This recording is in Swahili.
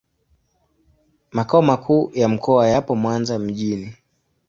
Makao makuu ya mkoa yapo Mwanza mjini.